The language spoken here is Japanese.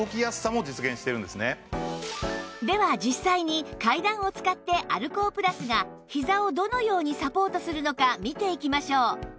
では実際に階段を使ってアルコープラスがひざをどのようにサポートするのか見ていきましょう